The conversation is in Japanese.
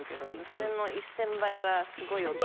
それの１０００倍はすごい音。